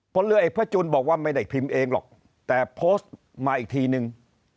พลเรือเอกพระจุลบอกว่าไม่ได้พิมพ์เองหรอกแต่โพสต์มาอีกทีนึง